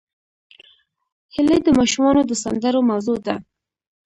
هیلۍ د ماشومانو د سندرو موضوع ده